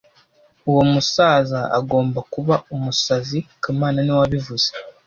Uwo musaza agomba kuba umusazi kamana niwe wabivuze